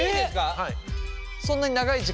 はい。